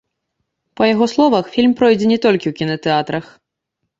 Па яго словах, фільм пройдзе не толькі ў кінатэатрах.